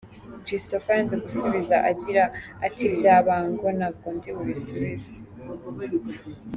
Christopher yanze gusubiza agira ati:” Ibya Bango ntabwo ndibubisubize”.